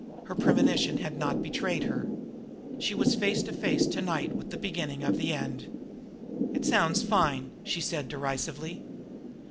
Her premonition had not betrayed her. She was face to face to night with the beginning of the end. "It sounds fine!" she said derisively.